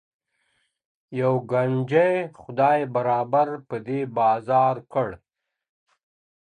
یو ګنجی خدای برابر پر دې بازار کړ.